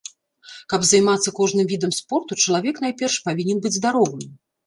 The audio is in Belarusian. Каб займацца кожным відам спорту, чалавек найперш павінен быць здаровым.